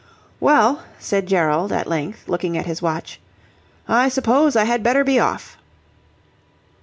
"Well," said Gerald, at length, looking at his watch, "I suppose I had better be off."